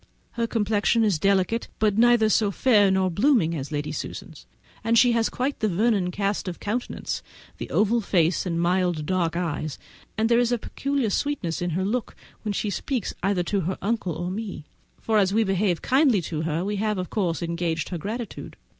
Her complexion is delicate, but neither so fair nor so blooming as Lady Susan's, and she has quite the Vernon cast of countenance, the oval face and mild dark eyes, and there is peculiar sweetness in her look when she speaks either to her uncle or me, for as we behave kindly to her we have of course engaged her gratitude.